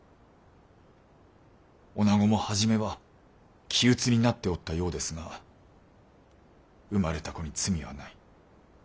女子も初めは気鬱になっておったようですが生まれた子に罪はない。